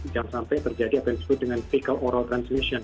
jangan sampai terjadi apensur dengan fecal oral transmission